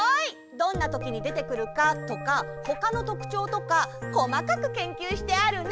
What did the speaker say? どんなときにでてくるかとかほかのとくちょうとかこまかく研究してあるね！